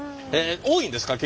多いんですか？